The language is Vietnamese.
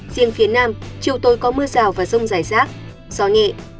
riêng phía nam chiều tối có mưa rào và rông rải rác gió nhẹ